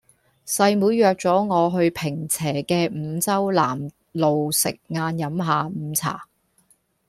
細妹約左我去坪輋嘅五洲南路食晏飲下午茶